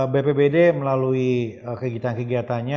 bpbd melalui kegiatan kegiatannya